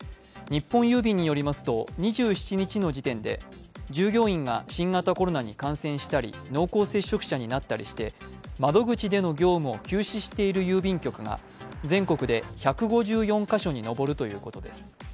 日本郵便によりますと２７日の時点で従業員が新型コロナに感染したり濃厚接触者になったりして窓口での業務を休止している郵便局が全国で１５４カ所に上るということです。